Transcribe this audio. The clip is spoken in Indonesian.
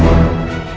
bang sie joke